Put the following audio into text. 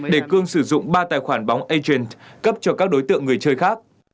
để cương sử dụng ba tài khoản bóng ation cấp cho các đối tượng người chơi khác